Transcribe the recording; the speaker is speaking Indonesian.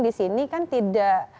disini kan tidak